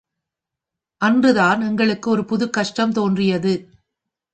அன்றுதான் எங்களுக்கு ஒரு புது கஷ்டம் தேன்றியது!